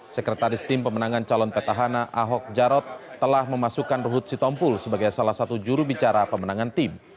sekretaris tim pemenangan calon petahana ahok jarot telah memasukkan ruhut sitompul sebagai salah satu jurubicara pemenangan tim